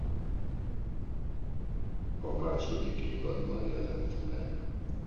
A második évadban jelent meg.